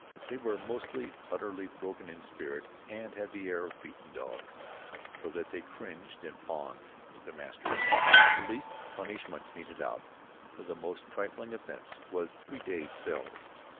They were mostly utterly broken in spirit and had the air of beaten dogs, so that they cringed and fawned to their masters. The least punishment meted out for the most trifling offense was three days' cells.